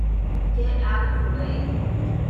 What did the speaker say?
Get out of the way!